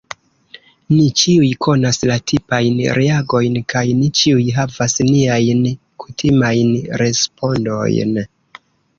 Ni ĉiuj konas la tipajn reagojn, kaj ni ĉiuj havas niajn kutimajn respondojn.